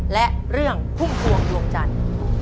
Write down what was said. และเรื่องพุ่มพวงดวงจันทร์